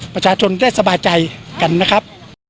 ประชาชนได้สบายใจกันนะครับ